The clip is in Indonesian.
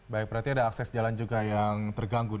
baik berarti ada akses jalan juga yang terganggu